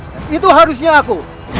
dan itu harusnya aku